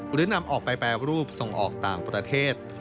หรือนำออกไปแปรรูปส่งออกต่างประเทศ